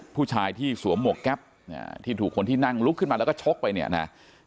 ผู้ชายที่สวมหมวกแก๊ปที่ถูกคนที่นั่งลุกขึ้นมาแล้วก็ชกไปเนี่ยนะ